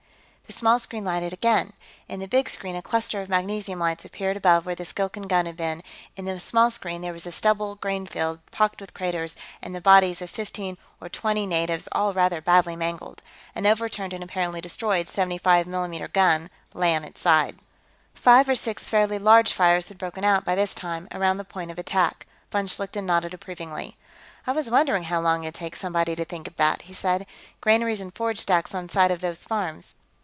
The small screen lighted again. In the big screen, a cluster of magnesium lights appeared above where the Skilkan gun had been; in the small screen, there was a stubbled grain field, pocked with craters, and the bodies of fifteen or twenty natives, all rather badly mangled. An overturned and apparently destroyed 75 mm gun lay on its side. Five or six fairly large fires had broken out, by this time, around the point of attack. Von Schlichten nodded approvingly. "I was wondering how long it'd take somebody to think of that," he said. "Granaries and forage stacks on some of these farms.